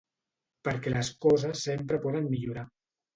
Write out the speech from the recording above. Perquè les coses sempre poden millorar.